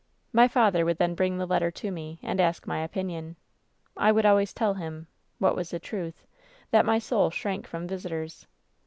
"My father would then bring the letter to me, and ask my opinion. I would always tell him — ^what was the truth — that my soul shrank from visitors.